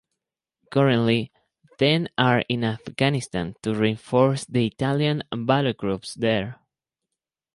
Currently ten are in Afghanistan to reinforce the Italian Battlegroups there.